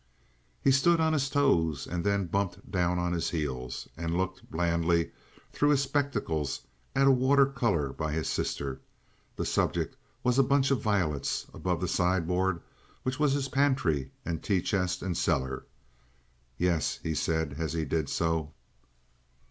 He stood on his toes and then bumped down on his heels, and looked blandly through his spectacles at a water color by his sister—the subject was a bunch of violets—above the sideboard which was his pantry and tea chest and cellar. "Yes," he said as he did so.